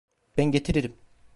Ben getiririm.